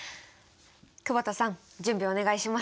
久保田さん準備お願いします！